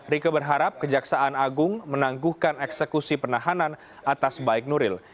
rike berharap kejaksaan agung menangguhkan eksekusi penahanan atas baik nuril